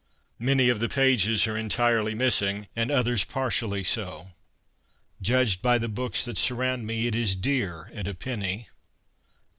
Many of the pages are entirely missing, and others partially so. Judged by the books that surround me it is dear at a penny ..